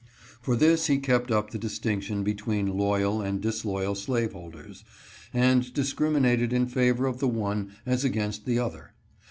For this he kept up the distinction be tween loyal and disloyal slaveholders, and discriminated in favor of the one, as against the other.